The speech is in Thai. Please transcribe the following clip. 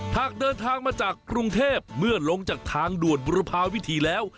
หากเดินทางมาจากกรุงเทพเมื่อลงจากทางด่วนบุรพาวิธีแล้ว